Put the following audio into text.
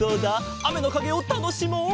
あめのかげをたのしもう！